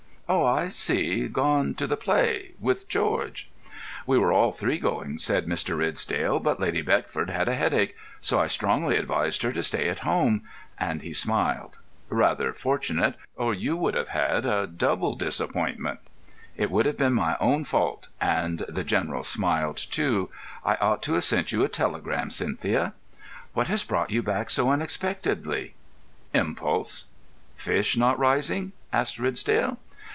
"Oh, I see. Gone to the play—with George?" "We were all three going," said Mr. Ridsdale, "but Lady Beckford had a headache, so I strongly advised her to stay at home," and he smiled. "Rather fortunate—or you would have had a double disappointment." "It would have been my own fault," and the General smiled too. "I ought to have sent you a telegram, Cynthia." "What has brought you back so unexpectedly?" "Impulse." "Fish not rising?" asked Ridsdale.